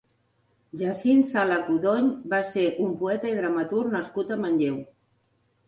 Jacint Sala Codony va ser un poeta i dramaturg nascut a Manlleu.